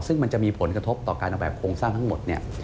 ซึ่งมันจะมีผลกระทบต่อการออกแบบโครงสร้างทั้งหมดเนี่ย